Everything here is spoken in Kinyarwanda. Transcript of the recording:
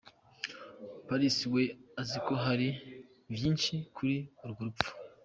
Paris we azi ko hari vyinshi kuri urwo rupfu.